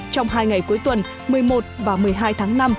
trong hai ngày cuối tuần một mươi một và một mươi hai tháng năm